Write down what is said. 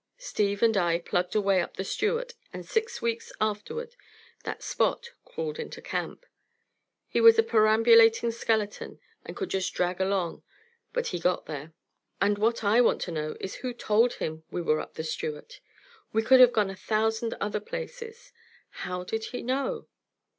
Steve and I plugged away up the Stewart, and six weeks afterward that Spot crawled into camp. He was a perambulating skeleton, and could just drag along; but he got there. And what I want to know is who told him we were up the Stewart? We could have gone a thousand other places. How did he know?